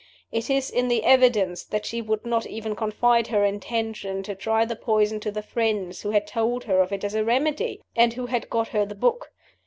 It is in the evidence that she would not even confide her intention to try the poison to the friends who had told her of it as a remedy, and who had got her the book.